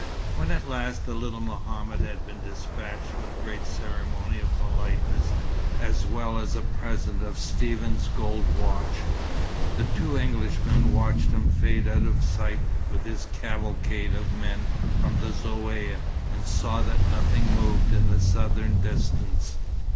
When at last the little Mohammed had been despatched with great ceremony of politeness, as well as a present of Stephen's gold watch, the two Englishmen watched him fade out of sight with his cavalcade of men from the Zaouïa, and saw that nothing moved in the southern distance.